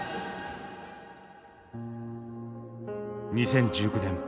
２０１９年